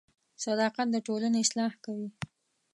• صداقت د ټولنې اصلاح کوي.